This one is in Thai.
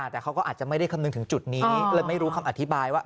แต่เขาก็อาจจะไม่ได้คำนึงถึงจุดนี้เลยไม่รู้คำอธิบายว่า